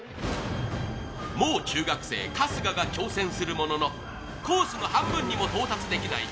もう中学生、春日が挑戦するものの、コースの半分にも到達できない